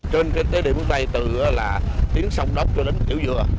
trên cái điểm này từ là tiếng sông đốc cho đến kiểu dừa